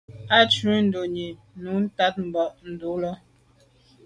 A tshùa ndonni nwù tat mba dum tà là.